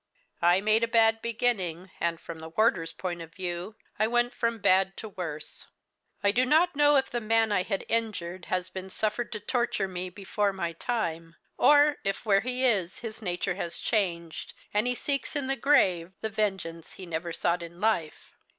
"I made a bad beginning, and, from the warder's point of view, I went from bad to worse. I do not know if the man I had injured has been suffered to torture me before my time, or if, where he is, his nature has changed, and he seeks, in the grave, the vengeance he never sought in life.